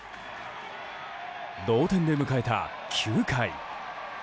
同点で迎えた９回。